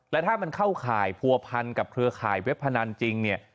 และถ้ามันเข้าข่ายผัวพันกับเครือข่ายเว็บพนันจริงเนี่ย